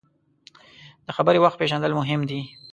د خبرې وخت پیژندل مهم دي.